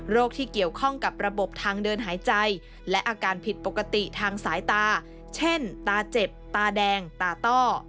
ที่เกี่ยวข้องกับระบบทางเดินหายใจและอาการผิดปกติทางสายตาเช่นตาเจ็บตาแดงตาต้อ